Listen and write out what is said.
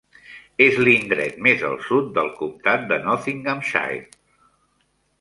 És l'indret més al sud del comtat de Nottinghamshire.